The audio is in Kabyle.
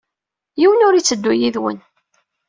Yiwen ur yetteddu yid-wen.